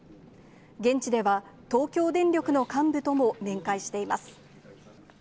現地では、東京電力の幹部とも面会しています。